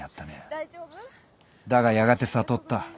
だがやがて悟った。